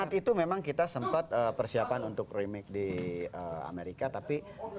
saat itu memang kita sempat persiapan untuk remake di amerika tapi